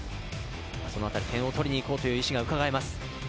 点を取りに行こうという意志がうかがえます。